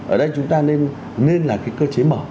ở đây chúng ta nên là cái cơ chế mở